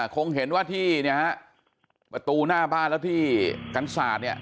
คงเห็นว่าที่เนี่ยฮะประตูหน้าบ้านแล้วที่กันศาสตร์เนี่ย